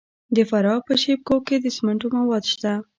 د فراه په شیب کوه کې د سمنټو مواد شته.